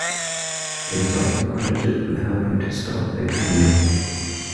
It is often credited with helping to start their career.